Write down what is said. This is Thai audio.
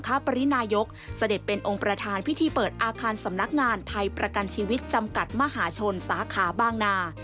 ปรินายกเสด็จเป็นองค์ประธานพิธีเปิดอาคารสำนักงานไทยประกันชีวิตจำกัดมหาชนสาขาบางนา